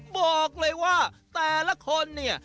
บอกเลยว่าแต่ละคนเนี่ย